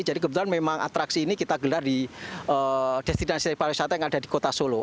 jadi kebetulan memang atraksi ini kita gelar di destinasi para wisata yang ada di kota solo